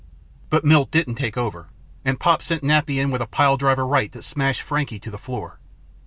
But Milt didn't take over and Pop sent Nappy in with a pile driver right that smashed Frankie to the floor.